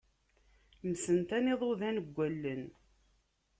Msentan iḍudan deg allen.